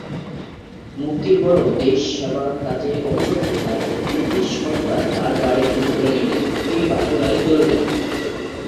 মুক্তির পরেও দেশ সেবা কাজে অবিচল থাকায় ব্রিটিশ সরকার তার বাড়ি দখল করে নিলে তিনি বাঁকুড়ায় চলে যান।